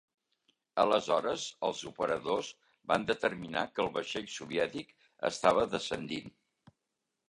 Aleshores els operadors van determinar que el vaixell soviètic estava descendint.